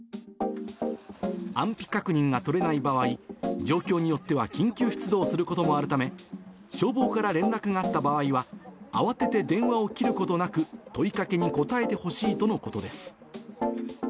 安否確認が取れない場合、状況によっては緊急出動することもあるため、消防から連絡があった場合は、慌てて電話を切ることなく、問いかけに答えてほしいとのことです。